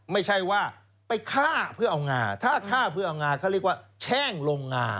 ไม่ใช่ว่าไปฆ่าเพื่อเอางาถ้าฆ่าเพื่อเอางาเขาเรียกว่าแช่งลงงา